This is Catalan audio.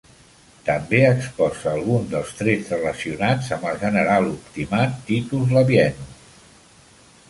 També exposa alguns dels trets relacionats amb el general optimat Titus Labienus.